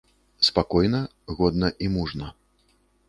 Спакойна, годна і мужна.